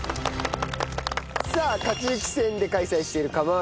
さあ勝ち抜き戦で開催している釜ー